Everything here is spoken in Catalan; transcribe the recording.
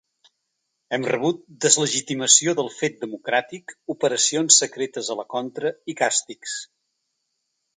Hem rebut deslegitimació del fet democràtic, operacions secretes a la contra i càstigs.